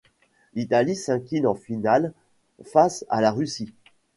L'Italie s'incline en finale face à la Russie.